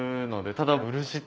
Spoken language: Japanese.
ただ。